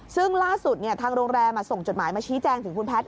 ซึ่งล่าสุดทางโรงแรมส่งจดหมายมาชี้แจงถึงคุณแพทย